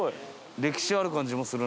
歴史ある感じもするな。